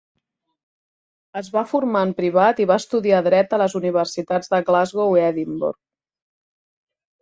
Es va formar en privat i va estudiar dret a les universitats de Glasgow i Edimburg.